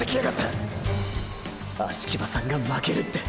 葦木場さんが負けるって！！